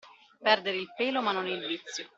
Perdere il pelo ma non il vizio.